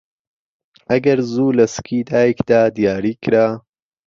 ئەگەر زوو لەسکی دایکدا دیاریکرا